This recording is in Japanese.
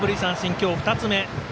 今日２つ目。